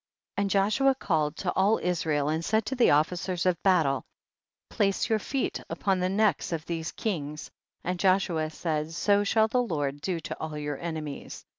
27. And Joshua called to all Israel and said to the officers of battle, place your feet upon the necks of these kings, and Joshua said, so shall the Lord do to all your enemies.